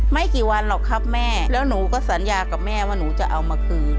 ไม่กี่วันหรอกครับแม่แล้วหนูก็สัญญากับแม่ว่าหนูจะเอามาคืน